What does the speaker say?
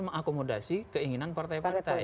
mengakomodasi keinginan partai partai